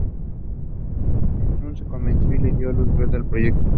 Schutz se convenció, y dio luz verde al proyecto.